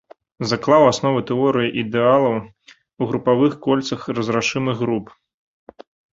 Заклаў асновы тэорыі ідэалаў у групавых кольцах разрашымых груп.